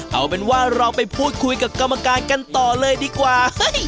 เอาเป็นว่าเราไปพูดคุยกับกรรมการกันต่อเลยดีกว่า